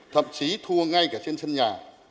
thậm chí thua ngay cả trên sân nhà